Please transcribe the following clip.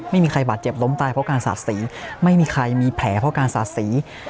ไม่มีใครบาดเจ็บล้มตายเพราะการสาดสีไม่มีใครมีแผลเพราะการสาดสี